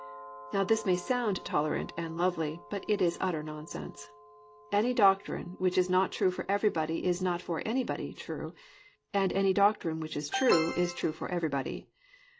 Now this may sound tolerant and lovely, but it is utter nonsense. Any doctrine which is not true for everybody is not for anybody true, and any doctrine which is true is true for everybody.